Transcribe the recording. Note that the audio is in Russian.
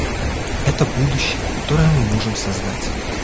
Это будущее, которое мы можем создать.